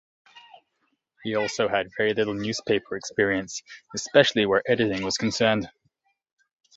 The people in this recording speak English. He also had very little newspaper experience, especially where editing was concerned.